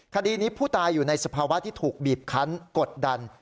คดีนี้ผู้ตายอยู่ในสภาวะที่ถูกบีบคันกดดัน